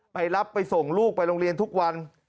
ไปรับไปส่งลูกไปโรงเรียนทุกวัน